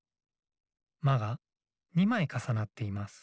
「ま」が２まいかさなっています。